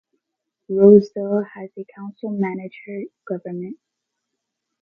Roseville has a Council-Manager government.